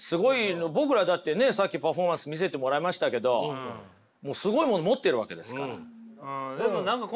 僕らだってねさっきパフォーマンス見せてもらいましたけどもうすごいもの持ってるわけですから。